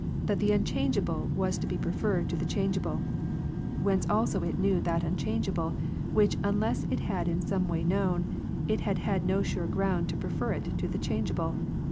That the unchangeable was to be preferred to the change ^'^"• able ;" whence also it knew That Unchangeable, which, unless it had in some way known, it had had no sure ground to prefer it to the changeable.